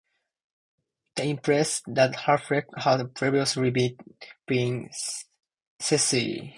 This implies that Halfrek had previously been Cecily.